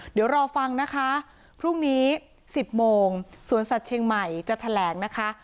เดี๋ยวรอฟังนะคะพรุ่งนี้๑๐โมงสวนสัตว์เชียงใหม่จะแถลงนะคะ